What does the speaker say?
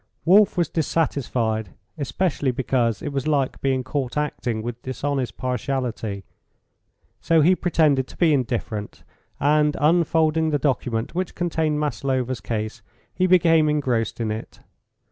Wolf was dissatisfied, especially because it was like being caught acting with dishonest partiality; so he pretended to be indifferent, and, unfolding the document which contained Maslova's case, he became engrossed in it.